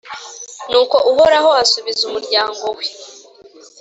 Nuko Uhoraho asubiza umuryango we